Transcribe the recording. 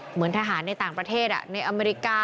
เหมือนทหารในต่างประเทศในอเมริกา